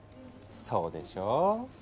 そうでしょう！